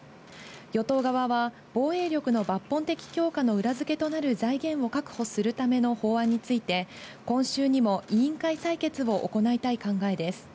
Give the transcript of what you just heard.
与党側は防衛力の抜本的強化の裏付けとなる財源を確保するための法案について、今週にも委員会採決を行いたい考えです。